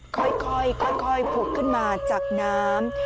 ค่อยผุกขึ้นมาจากน้ำ